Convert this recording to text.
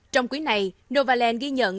trong quý này novaland ghi nhận